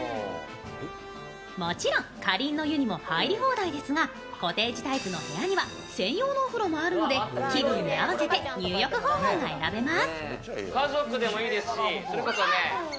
もちろんかりんの湯にも入り放題ですが、コテージタイプの部屋には専用のお風呂もあるので気分に合わせて入浴方法が選べます。